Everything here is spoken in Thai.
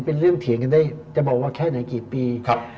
เป็นเรื่องเถียงกันได้จะบอกว่าแค่ไหนกี่ปี